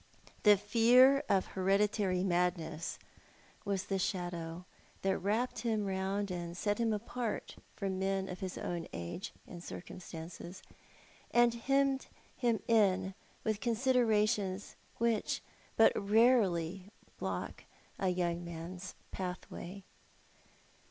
The fear of hereditary madness was the shadow that wrapped him round, and set him apart from men of his own age and circumstances, and hemmed him in with considerations which but rarely block a young man's pathway.